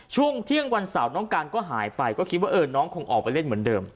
ช่วงเที่ยงวันเสาร์น้องการก็หายไปก็คิดว่าน้องคงออกไปเล่นเหมือนเดิม